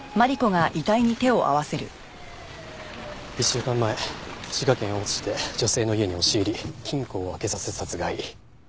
１週間前滋賀県大津市で女性の家に押し入り金庫を開けさせ殺害。